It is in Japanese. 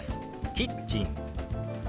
「キッチン」。